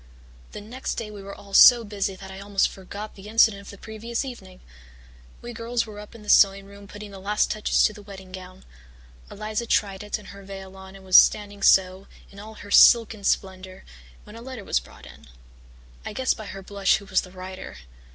"The next day we were all so busy that I almost forgot the incident of the previous evening. We girls were up in the sewing room putting the last touches to the wedding gown. Eliza tried it and her veil on and was standing so, in all her silken splendour, when a letter was brought in. I guessed by her blush who was the writer.